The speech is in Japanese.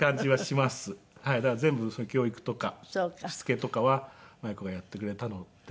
だから全部そういう教育とかしつけとかは万由子がやってくれたので。